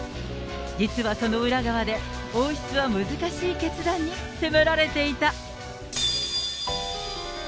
実はその裏側で、王室は難しい決断に迫られていた。